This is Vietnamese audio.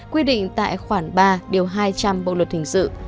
quy định tại khoản ba điều hai trăm linh bộ luật hình sự